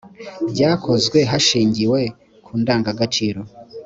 byakozwe hashingiwe ku ndangagaciro